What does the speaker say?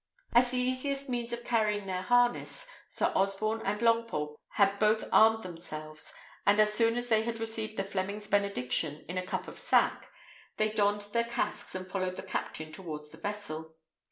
As the easiest means of carrying their harness, Sir Osborne and Longpole had both armed themselves; and as soon as they had received the Fleming's benediction in a cup of sack, they donned their casques and followed the captain towards the vessel.